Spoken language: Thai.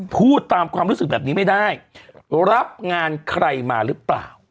พูดตามความรู้สึกแบบนี้ไม่ได้รับงานใครมาหรือเปล่า